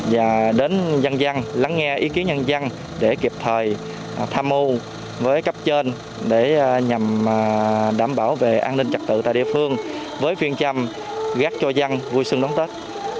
và đến dân dân lắng nghe ý kiến nhân dân để kịp thời tham mưu với cấp trên để nhằm đảm bảo về an ninh trật tự tại địa phương với phương châm gác cho dân vui xuân đón tết